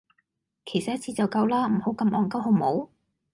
其實一次就夠啦，唔好咁戇鳩好唔好?